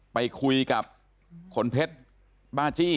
ไปคุยกับขนเพชรบ้าจี้